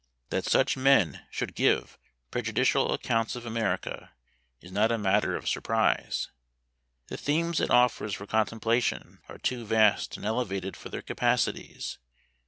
That such men should give prejudicial accounts of America, is not a matter of surprise. The themes it offers for contemplation, are too vast and elevated for their capacities.